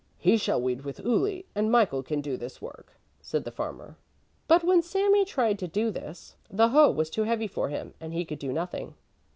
"He shall weed with Uli, and Michael can do this work," said the farmer. But when Sami tried to do this, the hoe was too heavy for him, and he could do nothing.